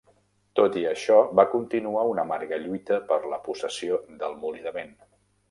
Tot i això, va continuar una amarga lluita per la possessió del molí de vent.